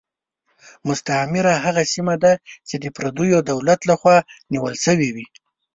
مستعمره هغه سیمه ده چې د پردیو دولت له خوا نیول شوې.